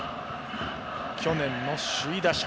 去年の首位打者。